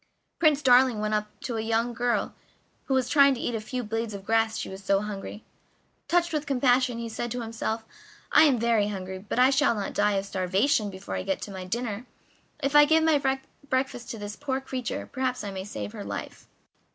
Prince Darling went up to a young girl who was trying to eat a few blades of grass, she was so hungry. Touched with compassion, he said to himself: "I am very hungry, but I shall not die of starvation before I get my dinner; if I give my breakfast to this poor creature perhaps I may save her life."